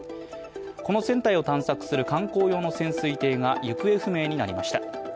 この船体を探索する観光用の潜水艇が行方不明になりました。